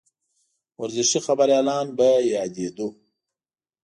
ورزشي خبریالان به یادېدوو.